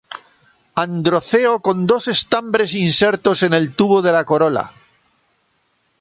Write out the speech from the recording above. Androceo con dos estambres insertos en el tubo de la corola.